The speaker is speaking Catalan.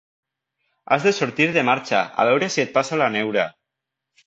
Has de sortir de marxa, a veure si et passa la neura!